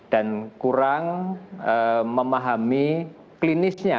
dan kurang memahami klinisnya